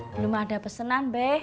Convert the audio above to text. belum ada pesanan be